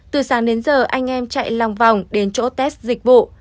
từ sáng đến giờ anh em chạy lòng vòng đến chỗ test dịch vụ